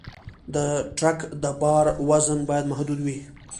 د ټرک د بار وزن باید محدود وي.